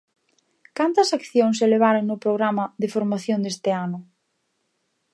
¿Cantas accións se levaron no programa de formación deste ano?